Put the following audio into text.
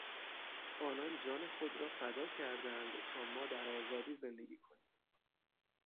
آنان جان خود را فدا کردند تا ما در آزادی زندگی کنیم.